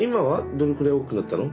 どれくらい大きくなったの？